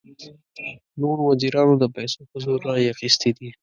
نورو وزیرانو د پیسو په زور رایې اخیستې دي.